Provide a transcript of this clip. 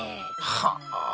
はあ。